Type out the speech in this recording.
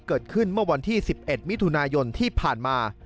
เกิดขึ้นเมื่อวันที่๑๑มิถุนายนที่ผ่านมา